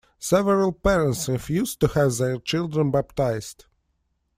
Several parents refused to have their children baptized.